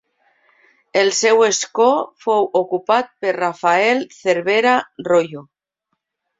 El seu escó fou ocupat per Rafael Cervera Royo.